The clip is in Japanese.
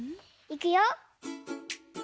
いくよ。